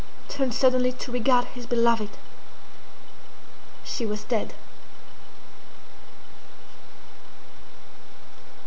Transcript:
turned suddenly to regard his beloved:—She was dead!"